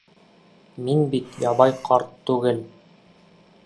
— Мин бит ябай ҡарт түгел.